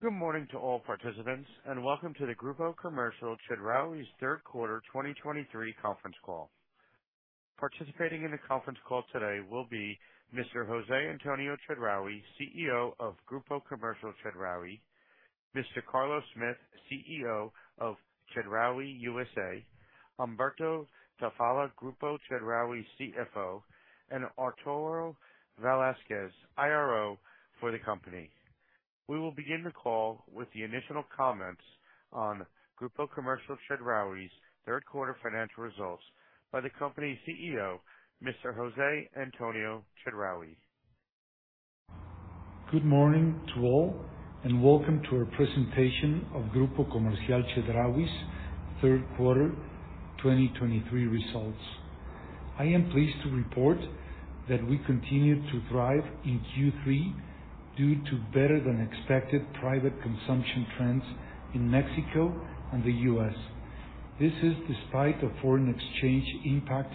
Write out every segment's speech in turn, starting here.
Good morning to all participants, and welcome to the Grupo Comercial Chedraui's third quarter 2023 conference call. Participating in the conference call today will be Mr. José Antonio Chedraui, CEO of Grupo Comercial Chedraui, Mr. Carlos Smith, CEO of Chedraui USA, Humberto Tafolla, Grupo Comercial Chedraui CFO, and Arturo Velázquez, IRO for the company. We will begin the call with the initial comments on Grupo Comercial Chedraui's third quarter financial results by the company's CEO, Mr. José Antonio Chedraui. Good morning to all, and welcome to our presentation of Grupo Comercial Chedraui's third quarter 2023 results. I am pleased to report that we continued to thrive in Q3 due to better than expected private consumption trends in Mexico and the U.S. This is despite the foreign exchange impact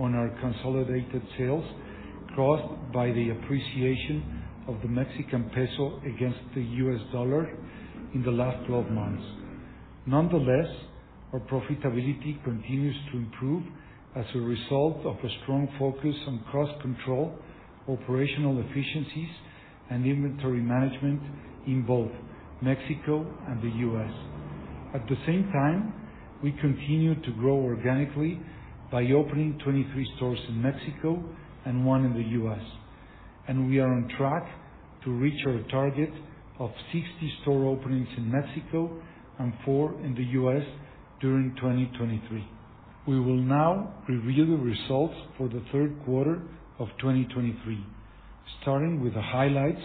on our consolidated sales, caused by the appreciation of the Mexican peso against the U.S. dollar in the last 12 months. Nonetheless, our profitability continues to improve as a result of a strong focus on cost control, operational efficiencies, and inventory management in both Mexico and the U.S. At the same time, we continue to grow organically by opening 23 stores in Mexico and 1 in the U.S., and we are on track to reach our target of 60 store openings in Mexico and 4 in the U.S. during 2023. We will now review the results for the third quarter of 2023, starting with the highlights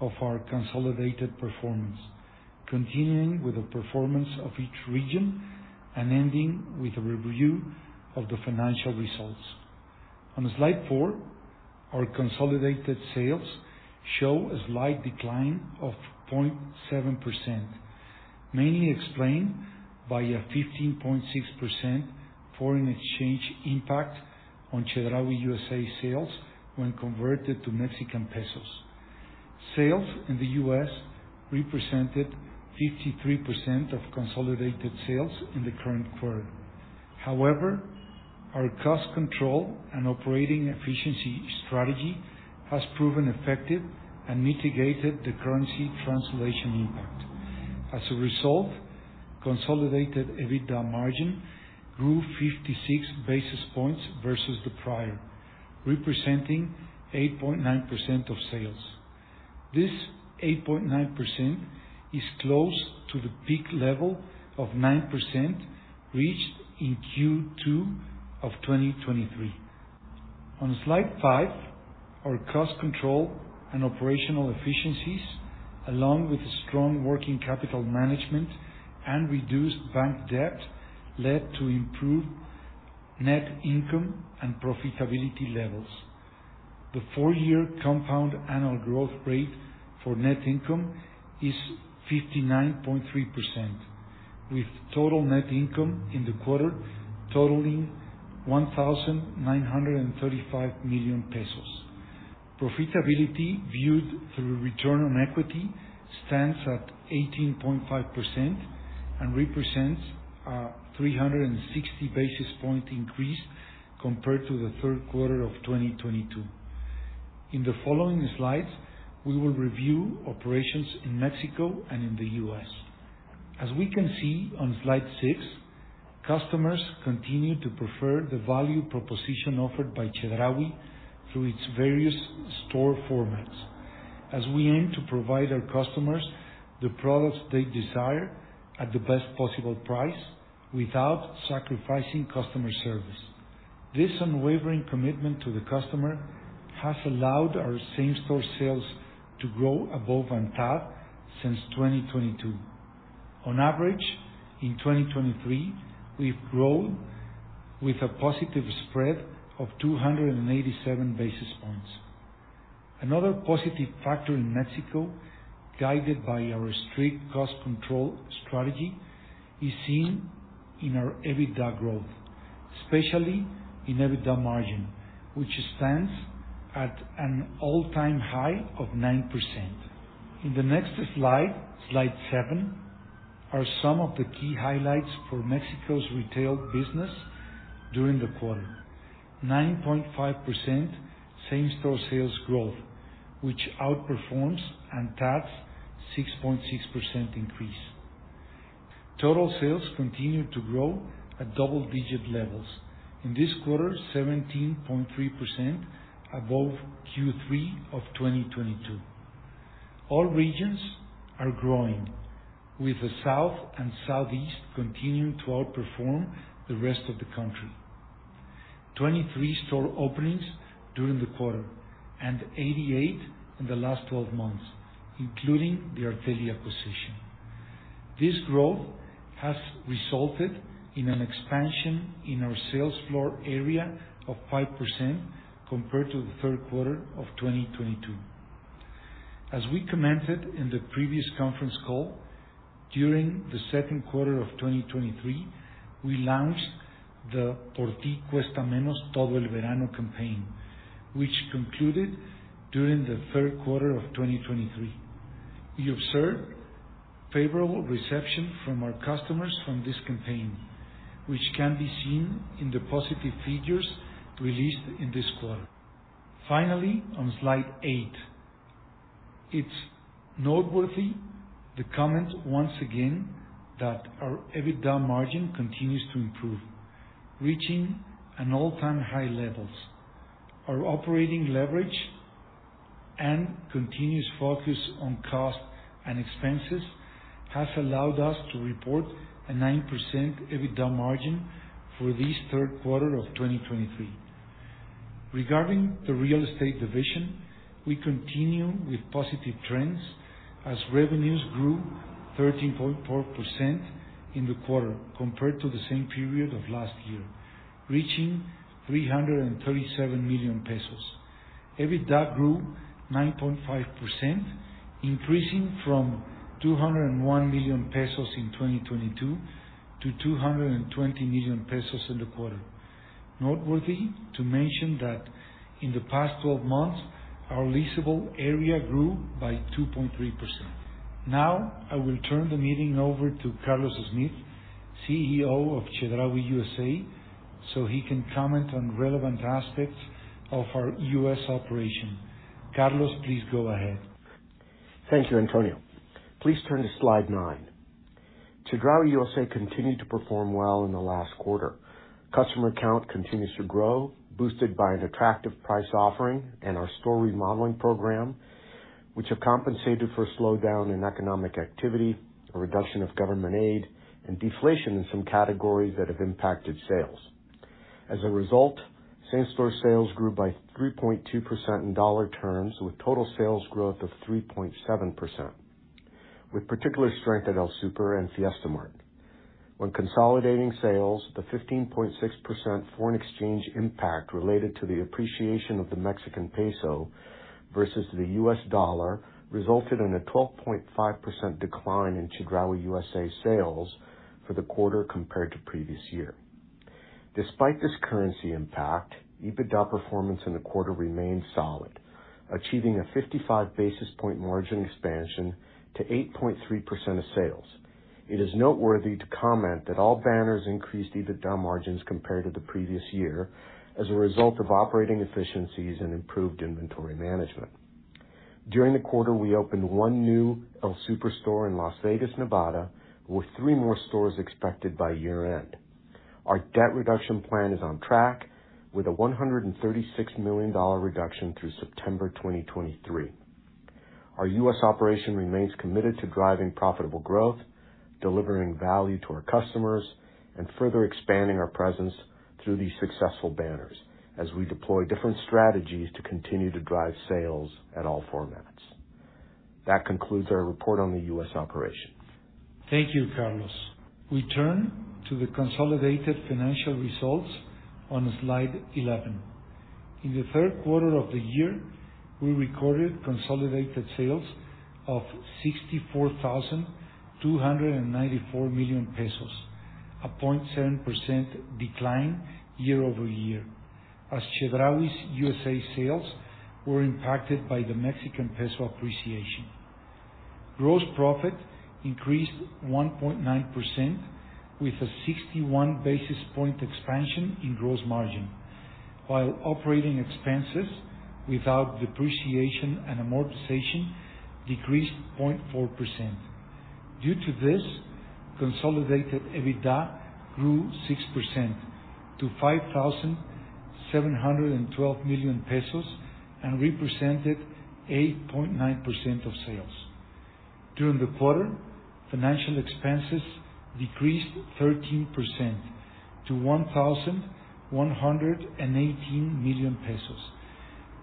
of our consolidated performance, continuing with the performance of each region, and ending with a review of the financial results. On slide 4, our consolidated sales show a slight decline of 0.7%, mainly explained by a 15.6% foreign exchange impact on Chedraui USA sales when converted to Mexican pesos. Sales in the U.S. represented 53% of consolidated sales in the current quarter. However, our cost control and operating efficiency strategy has proven effective and mitigated the currency translation impact. As a result, consolidated EBITDA margin grew 56 basis points versus the prior, representing 8.9% of sales. This 8.9% is close to the peak level of 9%, reached in Q2 of 2023. On slide five, our cost control and operational efficiencies, along with strong working capital management and reduced bank debt, led to improved net income and profitability levels. The four-year compound annual growth rate for net income is 59.3%, with total net income in the quarter totaling 1,935 million pesos. Profitability, viewed through return on equity, stands at 18.5% and represents a 360 basis point increase compared to the third quarter of 2022. In the following slides, we will review operations in Mexico and in the U.S. As we can see on slide six, customers continue to prefer the value proposition offered by Chedraui through its various store formats, as we aim to provide our customers the products they desire at the best possible price without sacrificing customer service. This unwavering commitment to the customer has allowed our same-store sales to grow above on top since 2022. On average, in 2023, we've grown with a positive spread of 287 basis points. Another positive factor in Mexico, guided by our strict cost control strategy, is seen in our EBITDA growth, especially in EBITDA margin, which stands at an all-time high of 9%. In the next slide, slide seven, are some of the key highlights for Mexico's retail business during the quarter. 9.5% same-store sales growth, which outperforms ANTAD's 6.6% increase. Total sales continued to grow at double-digit levels. In this quarter, 17.3% above Q3 of 2022. All regions are growing, with the South and Southeast continuing to outperform the rest of the country. 23 store openings during the quarter and 88 in the last twelve months, including the Arteli acquisition. This growth has resulted in an expansion in our sales floor area of 5% compared to the third quarter of 2022. As we commented in the previous conference call... During the second quarter of 2023, we launched the Por Ti Cuesta Menos Todo el Verano campaign, which concluded during the third quarter of 2023. We observed favorable reception from our customers from this campaign, which can be seen in the positive figures released in this quarter. Finally, on slide 8, it's noteworthy to comment once again that our EBITDA margin continues to improve, reaching an all-time high levels. Our operating leverage and continuous focus on cost and expenses has allowed us to report a 9% EBITDA margin for this third quarter of 2023. Regarding the real estate division, we continue with positive trends as revenues grew 13.4% in the quarter compared to the same period of last year, reaching 337 million pesos. EBITDA grew 9.5%, increasing from 201 million pesos in 2022 to 220 million pesos in the quarter. Noteworthy to mention that in the past 12 months, our leasable area grew by 2.3%. Now, I will turn the meeting over to Carlos Smith, CEO of Chedraui USA, so he can comment on relevant aspects of our U.S. operation. Carlos, please go ahead. Thank you, Antonio. Please turn to slide 9. Chedraui USA continued to perform well in the last quarter. Customer count continues to grow, boosted by an attractive price offering and our store remodeling program, which have compensated for a slowdown in economic activity, a reduction of government aid, and deflation in some categories that have impacted sales. As a result, same-store sales grew by 3.2% in dollar terms, with total sales growth of 3.7%, with particular strength at El Super and Fiesta Mart. When consolidating sales, the 15.6% foreign exchange impact related to the appreciation of the Mexican peso versus the U.S. dollar resulted in a 12.5% decline in Chedraui USA sales for the quarter compared to previous year. Despite this currency impact, EBITDA performance in the quarter remained solid, achieving a 55 basis points margin expansion to 8.3% of sales. It is noteworthy to comment that all banners increased EBITDA margins compared to the previous year as a result of operating efficiencies and improved inventory management. During the quarter, we opened one new El Super store in Las Vegas, Nevada, with three more stores expected by year-end. Our debt reduction plan is on track, with a $136 million reduction through September 2023. Our U.S. operation remains committed to driving profitable growth, delivering value to our customers, and further expanding our presence through these successful banners as we deploy different strategies to continue to drive sales at all formats. That concludes our report on the U.S. operations. Thank you, Carlos. We turn to the consolidated financial results on slide 11. In the third quarter of the year, we recorded consolidated sales of 64,294 million pesos, a 0.7% decline year-over-year, as Chedraui USA sales were impacted by the Mexican peso appreciation. Gross profit increased 1.9% with a 61 basis point expansion in gross margin, while operating expenses without depreciation and amortization decreased 0.4%. Due to this, consolidated EBITDA grew 6% to 5,712 million pesos and represented 8.9% of sales. During the quarter, financial expenses decreased 13% to 1,118 million pesos,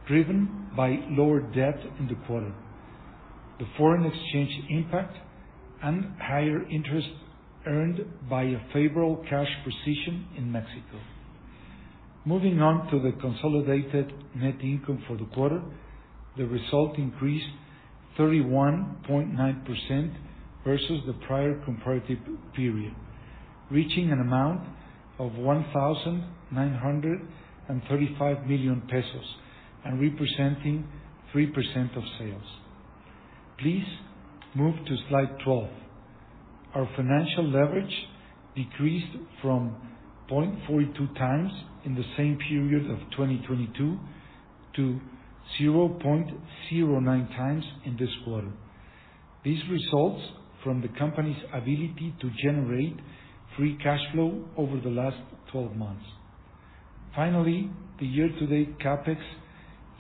driven by lower debt in the quarter, the foreign exchange impact, and higher interest earned by a favorable cash position in Mexico. Moving on to the consolidated net income for the quarter, the result increased 31.9% versus the prior comparative period, reaching an amount of 1,935 million pesos and representing 3% of sales. Please move to slide 12. Our financial leverage decreased from 0.42 times in the same period of 2022 to 0.09 times in this quarter. This results from the company's ability to generate free cash flow over the last 12 months. Finally, the year-to-date CapEx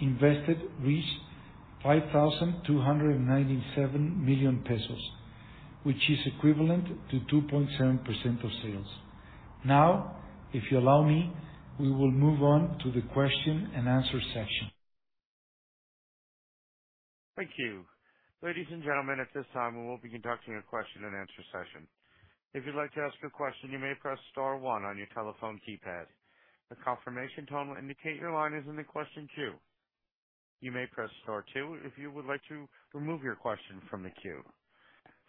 invested reached 5,297 million pesos, which is equivalent to 2.7% of sales. Now, if you allow me, we will move on to the question-and-answer session. Thank you. Ladies and gentlemen, at this time, we will be conducting a question-and-answer session. If you'd like to ask a question, you may press star one on your telephone keypad. The confirmation tone will indicate your line is in the question queue.... You may press star two if you would like to remove your question from the queue.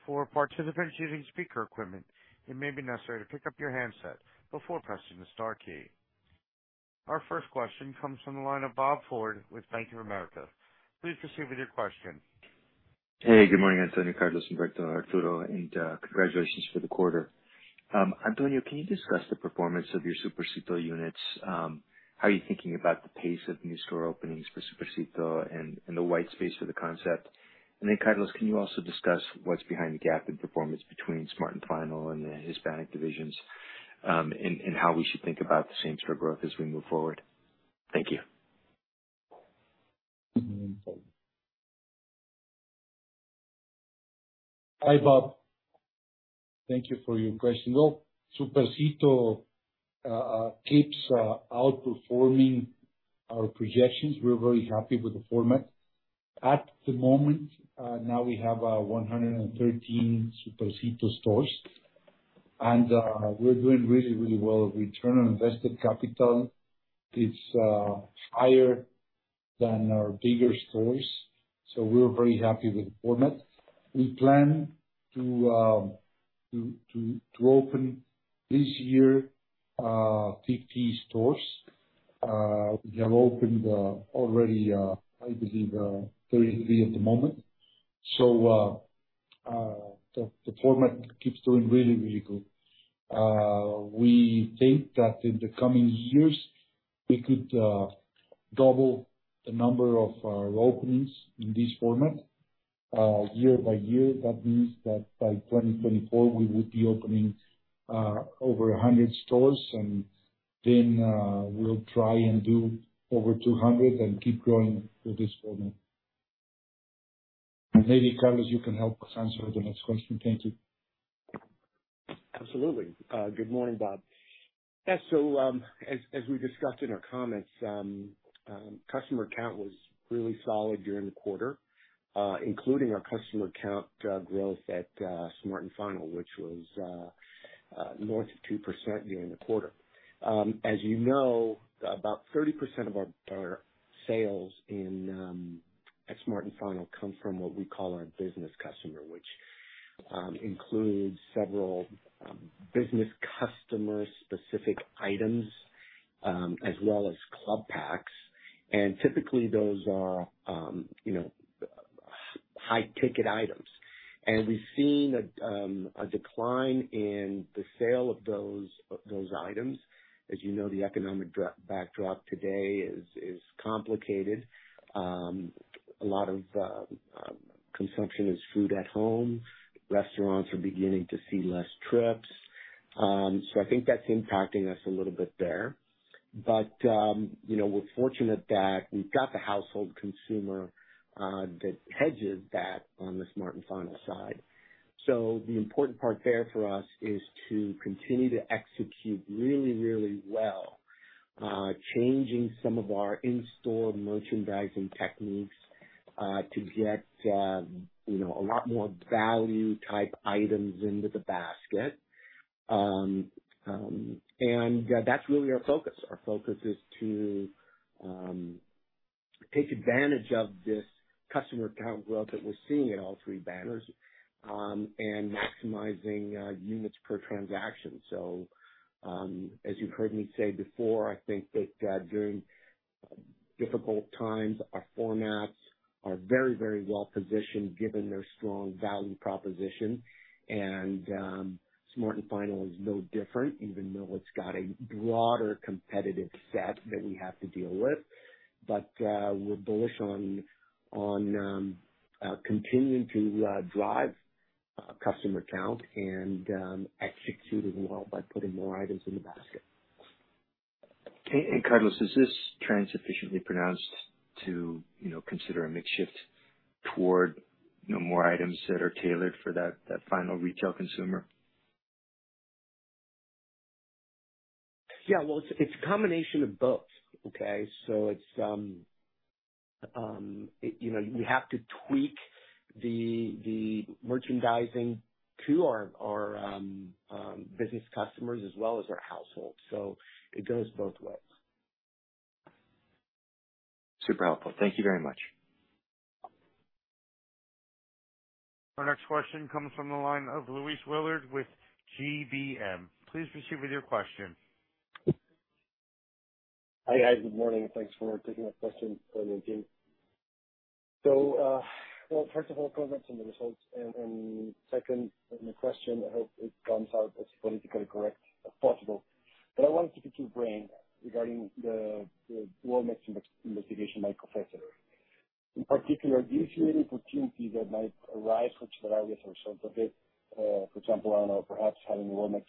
For participants using speaker equipment, it may be necessary to pick up your handset before pressing the star key. Our first question comes from the line of Bob Ford with Bank of America. Please proceed with your question. Hey, good morning, Antonio, Carlos, Humberto, and Arturo, and congratulations for the quarter. Antonio, can you discuss the performance of your Supercito units? How are you thinking about the pace of new store openings for Supercito and the white space for the concept? And then, Carlos, can you also discuss what's behind the gap in performance between Smart & Final and the Hispanic divisions, and how we should think about the same store growth as we move forward? Thank you. Hi, Bob. Thank you for your question. Well, Supercito keeps outperforming our projections. We're very happy with the format. At the moment, now we have 113 Supercito stores, and we're doing really, really well. Return on invested capital is higher than our bigger stores, so we're very happy with the format. We plan to open this year 50 stores. We have opened already, I believe, 33 at the moment. So, the format keeps doing really, really good. We think that in the coming years, we could double the number of openings in this format year by year. That means that by 2024, we would be opening over 100 stores, and then we'll try and do over 200 and keep growing with this format. Maybe, Carlos, you can help us answer the next question. Thank you. Absolutely. Good morning, Bob. Yeah, so, as we discussed in our comments, customer count was really solid during the quarter, including our customer count growth at Smart & Final, which was north of 2% during the quarter. As you know, about 30% of our sales in at Smart & Final come from what we call our business customer, which includes several business customer-specific items as well as club packs. And typically, those are, you know, high ticket items. And we've seen a decline in the sale of those items. As you know, the economic backdrop today is complicated. A lot of consumption is food at home. Restaurants are beginning to see less trips. So I think that's impacting us a little bit there. But, you know, we're fortunate that we've got the household consumer, that hedges that on the Smart & Final side. So the important part there for us is to continue to execute really, really well, changing some of our in-store merchandising techniques, to get, you know, a lot more value-type items into the basket. And, that's really our focus. Our focus is to take advantage of this customer count growth that we're seeing in all three banners, and maximizing units per transaction. So, as you've heard me say before, I think that, during difficult times, our formats are very, very well positioned given their strong value proposition. Smart & Final is no different, even though it's got a broader competitive set that we have to deal with. But we're bullish on continuing to drive customer count and executing well by putting more items in the basket. Okay. And Carlos, is this trend sufficiently pronounced to, you know, consider a mix shift toward, you know, more items that are tailored for that, that final retail consumer? Yeah, well, it's a combination of both, okay? So it's, you know, you have to tweak the merchandising to our business customers as well as our households. So it goes both ways. Super helpful. Thank you very much. Our next question comes from the line of Luis Willard with GBM. Please proceed with your question. Hi, guys. Good morning. Thanks for taking my question, Antonio and team. So, well, first of all, congrats on the results. And second, the question, I hope it comes out as politically correct as possible. But I wanted to pick your brain regarding the Walmex investigation by PROFECO. In particular, do you see any opportunity that might arise, which I guess are so a bit, for example, I don't know, perhaps having Walmex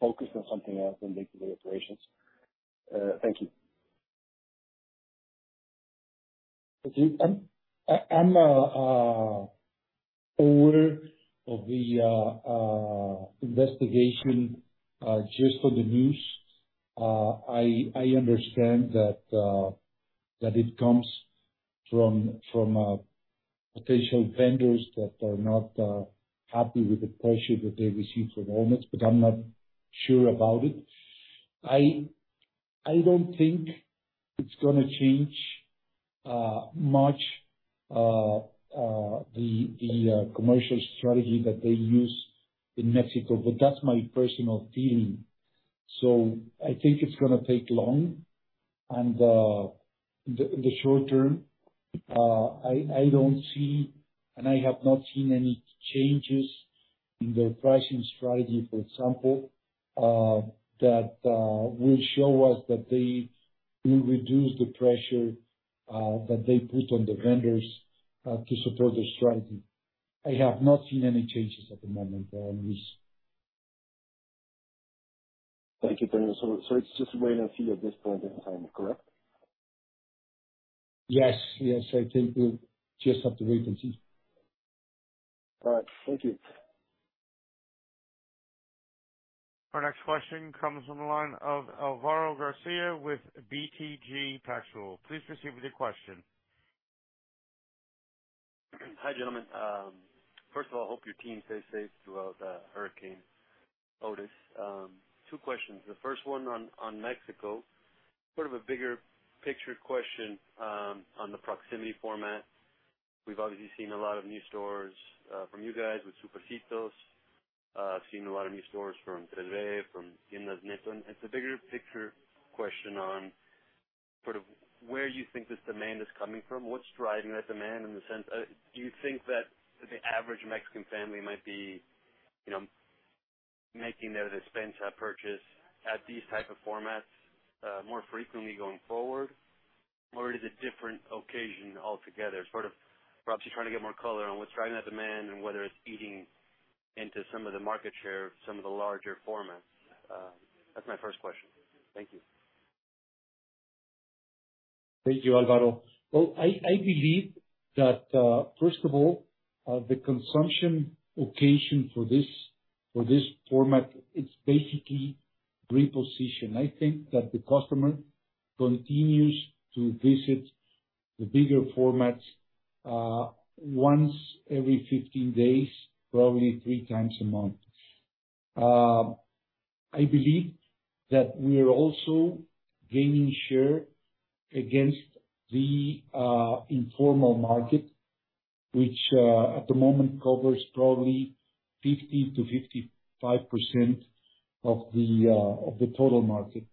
focused on something else than day-to-day operations? Thank you. I'm aware of the investigation, just for the news. I understand that it comes from potential vendors that are not happy with the pressure that they receive from Omnex, but I'm not sure about it. I don't think it's gonna change much the commercial strategy that they use in Mexico, but that's my personal feeling. So I think it's gonna take long, and the short term, I don't see, and I have not seen any changes in their pricing strategy, for example, that will show us that they will reduce the pressure that they put on the vendors to support their strategy. I have not seen any changes at the moment on this. Thank you, Antonio. So, it's just wait and see at this point in time, correct? Yes, yes, I think we just have to wait and see. All right. Thank you. Our next question comes from the line of Alvaro Garcia with BTG Pactual. Please proceed with your question. Hi, gentlemen. First of all, hope your team stayed safe throughout Hurricane Otis. Two questions. The first one on Mexico, sort of a bigger picture question, on the proximity format. We've obviously seen a lot of new stores from you guys with Supercitos. I've seen a lot of new stores from Tres B's, from Tiendas Neto. It's a bigger picture question on sort of where you think this demand is coming from. What's driving that demand in the sense... Do you think that the average Mexican family might be, you know, making their despensa purchase at these type of formats more frequently going forward? Or is it a different occasion altogether? Sort of perhaps you're trying to get more color on what's driving that demand and whether it's eating into some of the market share of some of the larger formats. That's my first question. Thank you. Thank you, Alvaro. Well, I believe that first of all, the consumption occasion for this format is basically reposition. I think that the customer continues to visit the bigger formats once every 15 days, probably three times a month. I believe that we are also gaining share against the informal market, which at the moment covers probably 50%-55% of the total market.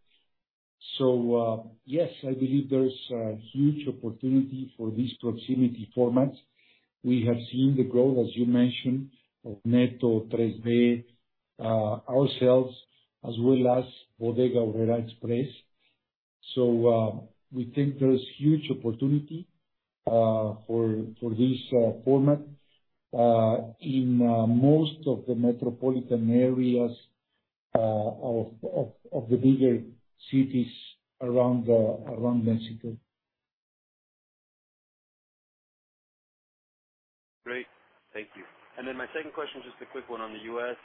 So, yes, I believe there's a huge opportunity for this proximity format. We have seen the growth, as you mentioned, of Neto, Tres B, ourselves, as well as Bodega Aurrerá Express. So, we think there is huge opportunity for this format in most of the metropolitan areas of the bigger cities around Mexico. Great. Thank you. And then my second question, just a quick one on the U.S.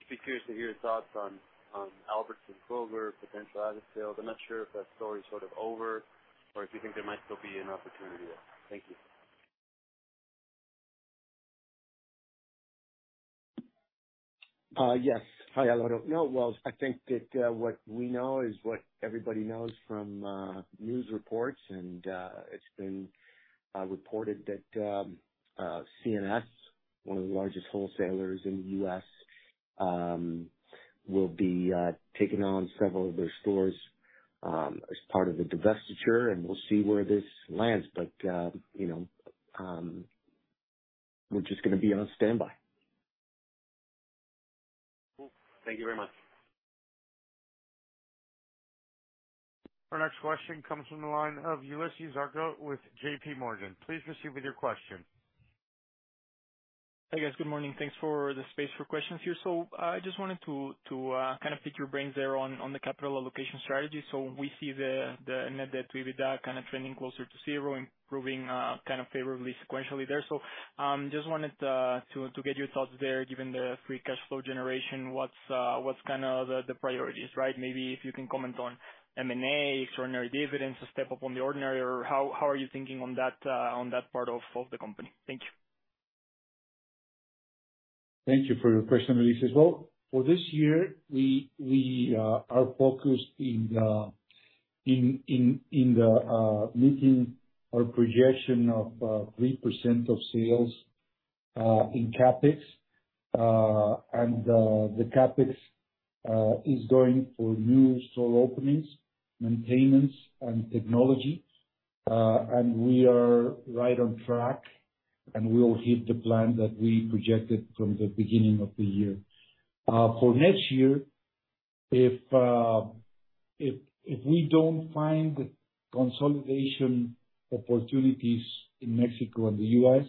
Just be curious to hear your thoughts on, on Albertsons, Kroger, potential asset sales. I'm not sure if that story is sort of over, or if you think there might still be an opportunity there. Thank you. Yes. Hi, Alvaro. No, well, I think that what we know is what everybody knows from news reports, and it's been reported that C&S, one of the largest wholesalers in the U.S., will be taking on several of their stores as part of a divestiture, and we'll see where this lands. But, you know, we're just gonna be on standby. Cool. Thank you very much. Our next question comes from the line of Ulises Argote with JPMorgan. Please proceed with your question. Hey, guys. Good morning. Thanks for the space for questions here. So I just wanted to kind of pick your brains there on the capital allocation strategy. So we see the net debt, EBITDA, kind of trending closer to zero, improving kind of favorably sequentially there. So just wanted to get your thoughts there, given the free cash flow generation, what's kind of the priorities, right? Maybe if you can comment on M&A, extraordinary dividends, a step up on the ordinary, or how are you thinking on that part of the company? Thank you. Thank you for your question, Ulises. Well, for this year, we are focused in meeting our projection of 3% of sales in CapEx. And the CapEx is going for new store openings, maintenance, and technology. And we are right on track, and we will hit the plan that we projected from the beginning of the year. For next year, if we don't find consolidation opportunities in Mexico and the U.S.,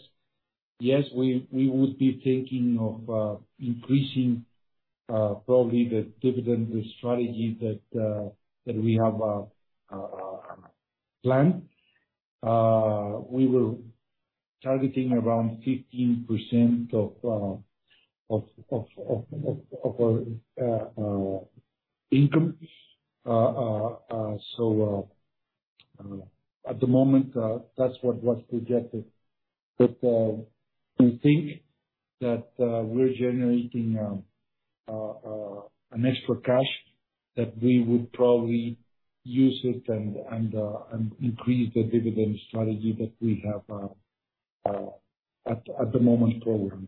yes, we would be thinking of increasing probably the dividend, the strategy that we have planned. We were targeting around 15% of our income. So, at the moment, that's what was projected. But, we think that we're generating an extra cash that we would probably use it and increase the dividend strategy that we have at the moment programmed.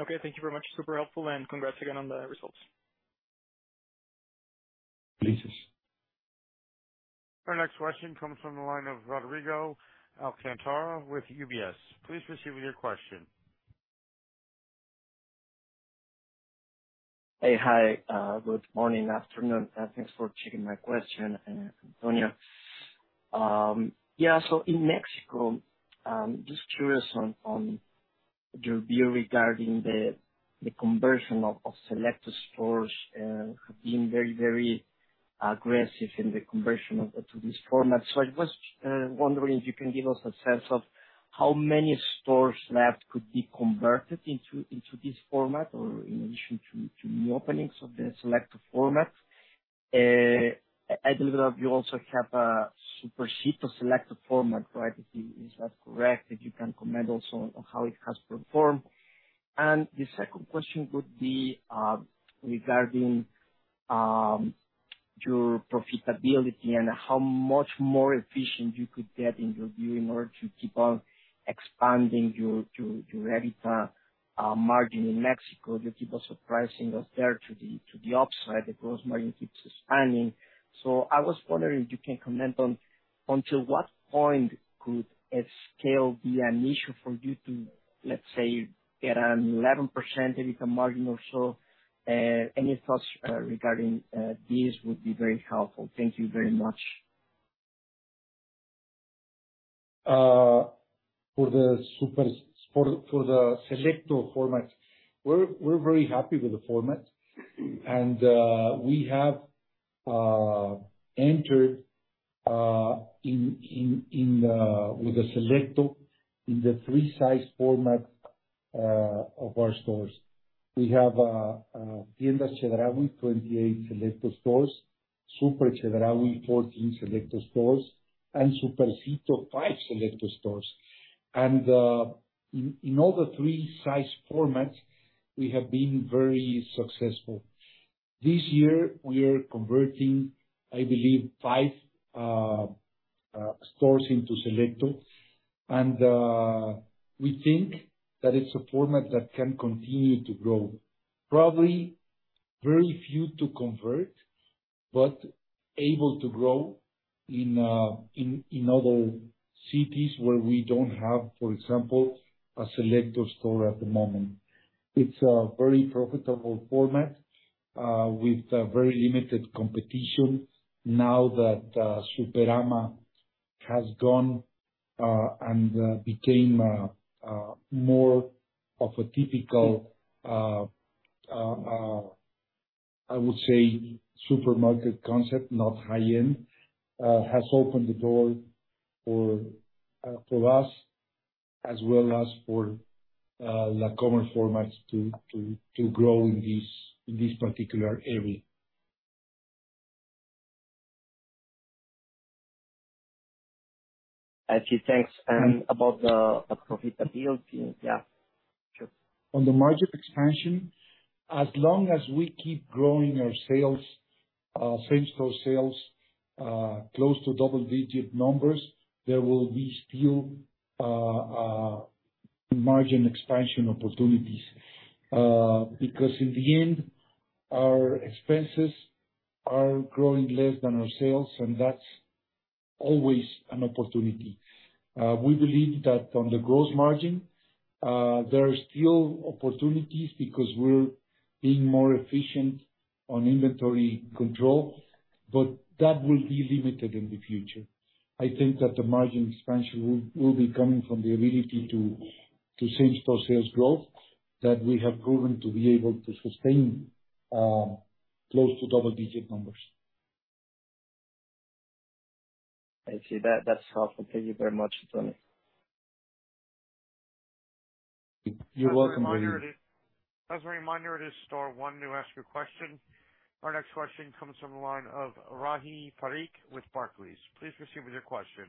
Okay, thank you very much. Super helpful, and congrats again on the results. Pleases. Our next question comes from the line of Rodrigo Alcantara with UBS. Please proceed with your question. Hey, hi. Good morning, afternoon, and thanks for taking my question, and Antonio. Yeah, so in Mexico, just curious on, on your view regarding the, the conversion of, of Selecto stores, have been very, very aggressive in the conversion of, to this format. So I was wondering if you can give us a sense of how many stores left could be converted into, into this format or in addition to, to new openings of the Selecto format? I believe that you also have a Supercito Selecto format, right? Is, is that correct? If you can comment also on how it has performed. And the second question would be, regarding, your profitability and how much more efficient you could get, in your view, in order to keep on expanding your, your, your EBITDA, margin in Mexico. You keep on surprising us there to the upside. The gross margin keeps expanding. So I was wondering if you can comment on until what point could at scale be an issue for you to, let's say, get an 11% EBITDA margin or so? Any thoughts regarding this would be very helpful. Thank you very much. For the Selecto format, we're very happy with the format. We have entered in with the Selecto in the three size format of our stores. We have Tienda Chedraui, 28 Selecto stores, Super Chedraui, 14 Selecto stores, and Supercito, five Selecto stores. In all the three size formats, we have been very successful. This year, we are converting, I believe, five stores into Selecto. We think that it's a format that can continue to grow. Probably very few to convert, but able to grow in other cities where we don't have, for example, a Selecto store at the moment. It's a very profitable format, with a very limited competition now that Superama has gone, and became more of a typical, I would say, supermarket concept, not high-end, has opened the door for us, as well as for La Comer formats to grow in this particular area. I see. Thanks. And about the profitability, yeah. Sure. On the margin expansion, as long as we keep growing our sales, same-store sales, close to double-digit numbers, there will be still margin expansion opportunities. Because in the end, our expenses are growing less than our sales, and that's always an opportunity. We believe that on the gross margin, there are still opportunities because we're being more efficient on inventory control, but that will be limited in the future. I think that the margin expansion will be coming from the ability to same-store sales growth, that we have proven to be able to sustain, close to double-digit numbers. I see. That, that's helpful. Thank you very much, Antonio. You're welcome, Rodrigo. As a reminder, it is star one to ask your question. Our next question comes from the line of Rahi Parikh with Barclays. Please proceed with your question.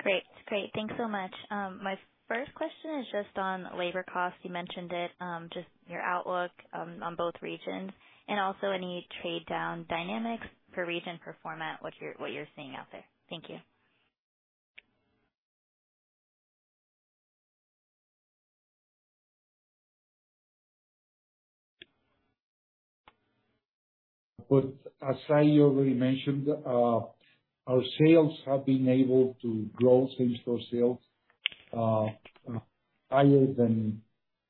Great. Great. Thanks so much. My first question is just on labor costs. You mentioned it, just your outlook, on both regions, and also any trade down dynamics per region, per format, what you're, what you're seeing out there. Thank you. But as I already mentioned, our sales have been able to grow same-store sales higher than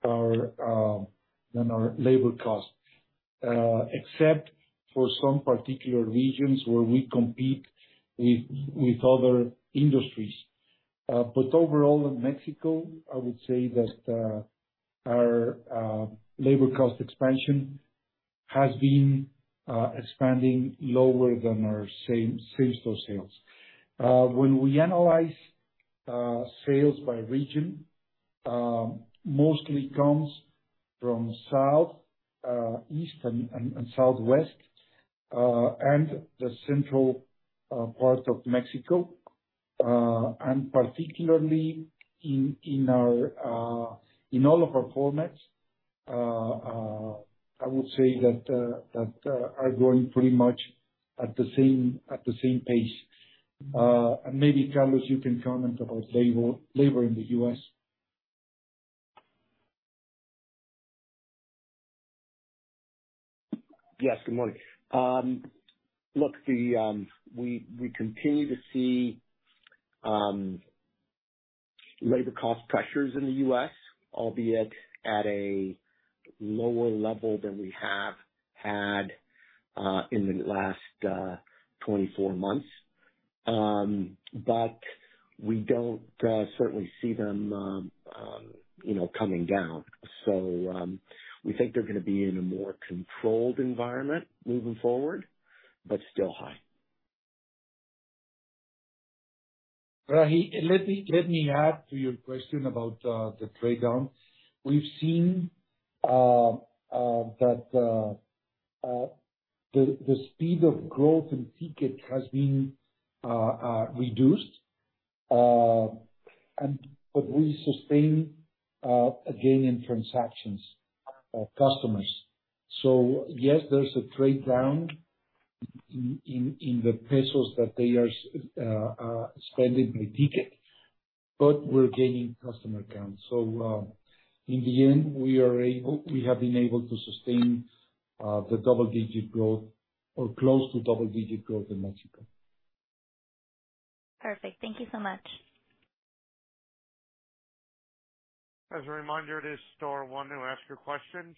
our labor costs, except for some particular regions where we compete with other industries. But overall, in Mexico, I would say that our labor cost expansion has been expanding lower than our same-store sales. When we analyze sales by region, mostly comes from South, East, and Southwest, and the central part of Mexico. And particularly in all of our formats, I would say that are growing pretty much at the same pace. And maybe, Carlos, you can comment about labor in the U.S. Yes, good morning. Look, we continue to see labor cost pressures in the US, albeit at a lower level than we have had in the last 24 months. But we don't certainly see them, you know, coming down. So, we think they're gonna be in a more controlled environment moving forward, but still high. Rahi, let me add to your question about the trade down. We've seen that the speed of growth in ticket has been reduced, and but we sustain a gain in transactions of customers. So yes, there's a trade down in the pesos that they are spending in the ticket, but we're gaining customer counts. So, in the end, we are able—we have been able to sustain the double digit growth or close to double digit growth in Mexico. Perfect. Thank you so much. As a reminder, it is star one to ask your questions.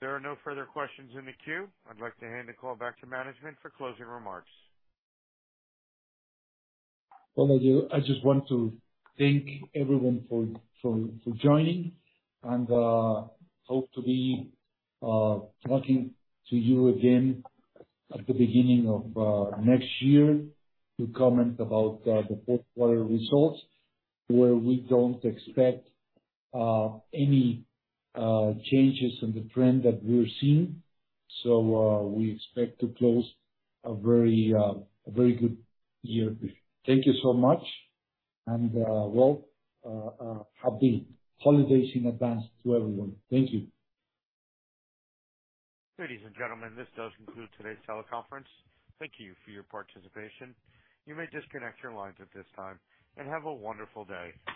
There are no further questions in the queue. I'd like to hand the call back to management for closing remarks. Well, I just want to thank everyone for joining, and hope to be talking to you again at the beginning of next year to comment about the fourth quarter results, where we don't expect any changes in the trend that we're seeing. So, we expect to close a very good year. Thank you so much, and well, happy holidays in advance to everyone. Thank you. Ladies and gentlemen, this does conclude today's teleconference. Thank you for your participation. You may disconnect your lines at this time, and have a wonderful day!